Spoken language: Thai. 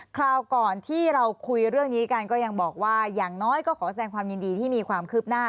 คราวก่อนที่เราคุยเรื่องนี้กันก็ยังบอกว่าอย่างน้อยก็ขอแสดงความยินดีที่มีความคืบหน้า